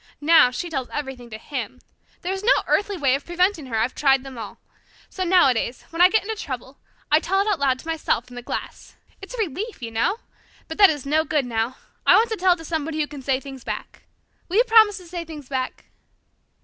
Now she tells everything to him. There is no earthly way of preventing her. I've tried them all. So, nowadays, when I get into trouble, I tell it out loud to myself in the glass. It's a relief, you know. But that is no good now. I want to tell it to somebody who can say things back. Will you promise to say things back?"